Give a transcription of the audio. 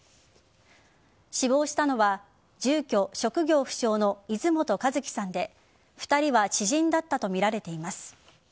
死亡したのは住居・職業不詳の泉本和希さんで２人は知人だったとみられています。